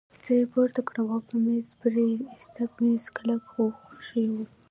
زه يې پورته کړم او پر مېز پرې ایستم، مېز کلک خو ښوی وو.